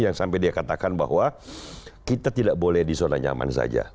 yang sampai dia katakan bahwa kita tidak boleh di zona nyaman saja